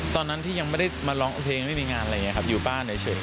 ตอนนั้นที่ยังไม่ได้มาร้องเพลงไม่มีงานอะไรอย่างนี้ครับอยู่บ้านเฉย